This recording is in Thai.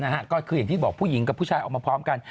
ก็คืออย่างที่บอกผู้หญิงกับผู้ชายออกมาพร้อมกัน